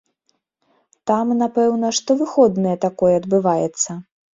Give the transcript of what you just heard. Там, напэўна, штовыходныя такое адбываецца.